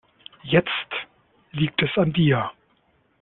Jetzt liegt es an dir.